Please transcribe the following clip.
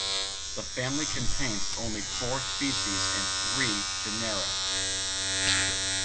The family contains only four species in three genera.